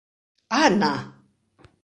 –¡Ana!